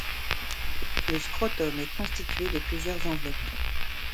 Le scrotum est constitué de plusieurs enveloppes.